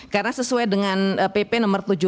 karena sesuai dengan pp no tujuh belas